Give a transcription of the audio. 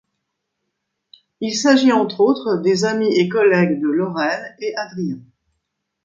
Il s'agit entre autres des amis et collègues de Laurel et Adrien.